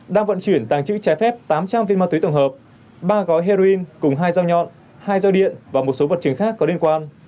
đang vận chuyển tàng chữ trái phép tám trăm linh viên ma túy tổng hợp ba gói heroin cùng hai dao nhọn hai dao điện và một số vật chứng khác có liên quan